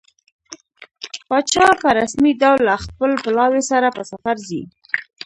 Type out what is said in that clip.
پاچا په رسمي ډول له خپل پلاوي سره په سفر ځي.